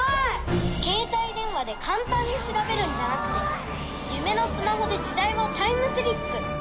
携帯電話で簡単に調べるんじゃなくて夢のスマホで時代をタイムスリップ